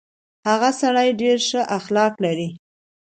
هغه سړی ډېر شه اخلاق لري.